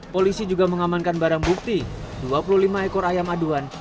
polisi juga mengamankan barang bukti dua puluh lima ekor ayam aduan